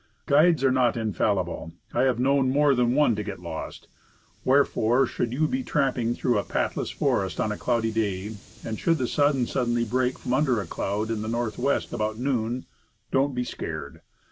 Guides are not infallible; I have known more than one to get lost. Wherefore, should you be tramping through a pathless forest on a cloudy day, and should the sun suddenly break from under a cloud in the northwest about noon, don't be scared.